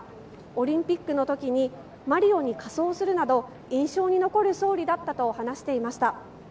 オリンピックの時にマリオに仮装するなど印象に残る総理だったと話していました。